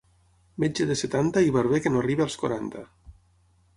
Metge de setanta i barber que no arribi als quaranta.